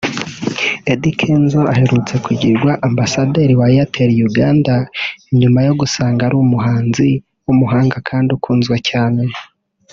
Eddy Kenzo aherutse kugirwa ambasaderi wa Airtel Uganda nyuma yo gusanga ari umuhanzi w'umuhanga kandi ukunzwe cyane